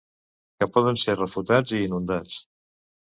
Que poden ser refutats i inundats.